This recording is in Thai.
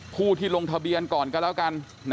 ผู้ที่ลงทะเบียนก่อนก็แล้วกัน